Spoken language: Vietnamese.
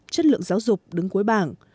chất lượng giáo dục đứng cuối bảng